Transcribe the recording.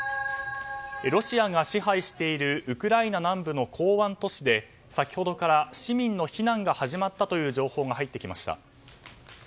ロシアが支配しているウクライナ南部の港湾都市で先ほどから市民の避難が始まったという情報が入ってきました。